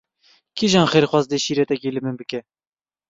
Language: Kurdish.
Kîjan xêrxwaz dê şîretekê li min bike?